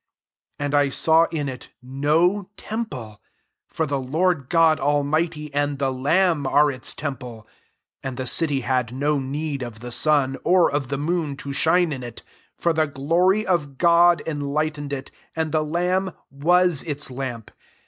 22 And I saw in it no temple: for the Lord God Almighty, and the lamb, are its temple. 23 And the city had no need of the sun, or of the moon, to shine in it: for th« glory of God enlightened it, and the lamb waa its lamp.